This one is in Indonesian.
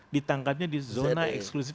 ditangkapnya di zona eksklusif